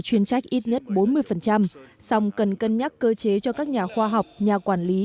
chuyên trách ít nhất bốn mươi song cần cân nhắc cơ chế cho các nhà khoa học nhà quản lý